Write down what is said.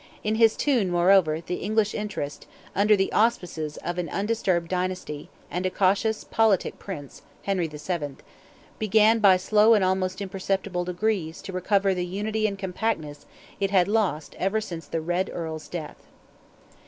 In his time, moreover, the English interest, under the auspices of an undisturbed dynasty, and a cautious, politic Prince (Henry VII.), began by slow and almost imperceptible degrees to recover the unity and compactness it had lost ever since the Red Earl's death.